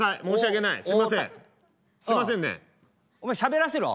申し訳ない。